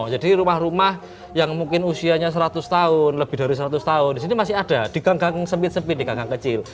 jadi rumah rumah yang mungkin usianya seratus tahun lebih dari seratus tahun di sini masih ada di ganggang sempit sempit di ganggang kecil